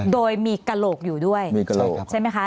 โดยมีกระโหลกอยู่ด้วยใช่ไหมคะ